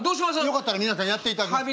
よかったら皆さんやっていただいて。